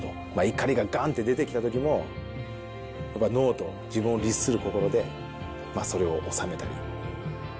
怒りががんって出てきたときも、やっぱり脳と自分を律する心でそれを収めたり。